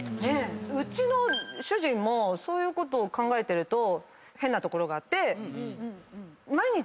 うちの主人もそういうことを考えてると変なところがあって。